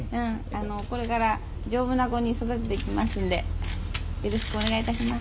これから丈夫な子に育てていきますんでよろしくお願いいたします」